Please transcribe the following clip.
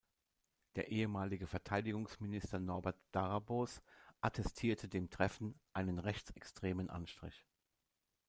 Der ehemalige Verteidigungsminister Norbert Darabos attestierte dem Treffen „einen rechtsextremen Anstrich“.